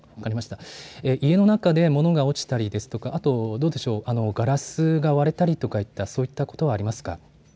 家の中で物が落ちたりですとかガラスが割れたりとかそういったことはありますか。